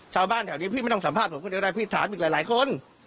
ชาวบ้านแถวนี้พี่ไม่ต้องสัมภาษณ์ผมก็ได้พี่สาธารณ์อีกหลายคน